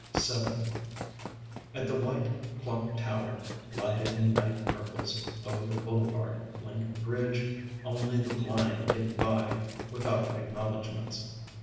7 At the white clock tower lighted in night purples over the boulevard link bridge only the blind get by without acknowledgments.